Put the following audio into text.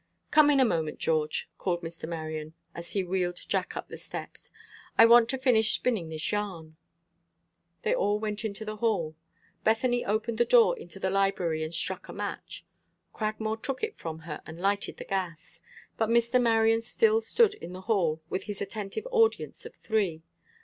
"Come in a moment, George," called Mr. Marion, as he wheeled Jack up the steps. "I want to finish spinning this yarn." They all went into the hall. Bethany opened the door into the library and struck a match. Cragmore took it from her and lighted the gas. But Mr. Marion still stood in the hall with his attentive audience of three.